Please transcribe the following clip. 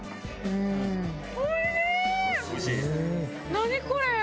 何これ！